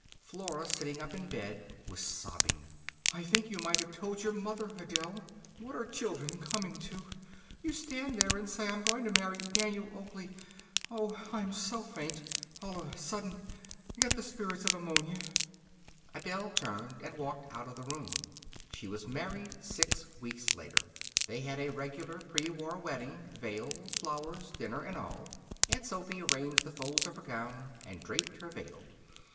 Flora, sitting up in bed, was sobbing. "I think you might have told your mother, Adele. What are children coming to! You stand there and say, 'I'm going to marry Daniel Oakley.' Oh, I am so faint ... all of a sudden ... Get the spirits of ammonia." Adele turned and walked out of the room. She was married six weeks later. They had a regular prewar wedding veil, flowers, dinner, and all. Aunt Sophy arranged the folds of her gown and draped her veil.